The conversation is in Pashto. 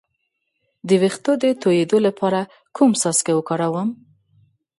د ویښتو د تویدو لپاره کوم څاڅکي وکاروم؟